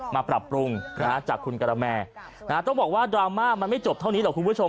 ปรับปรุงจากคุณกระแมต้องบอกว่าดราม่ามันไม่จบเท่านี้หรอกคุณผู้ชม